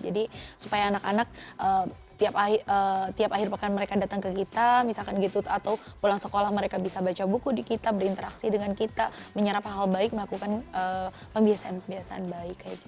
jadi supaya anak anak tiap akhir pekan mereka datang ke kita misalkan gitu atau pulang sekolah mereka bisa baca buku di kita berinteraksi dengan kita menyerap hal baik melakukan pembiasaan pembiasaan baik